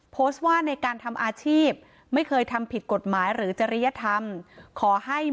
โพสต์ว่าในการทำอาชีพไม่เคยทำผิดกฎหมายหรือจริยธรรมขอให้